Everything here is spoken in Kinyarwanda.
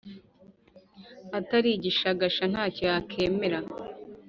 Atari igishagasha ntacyo yakemera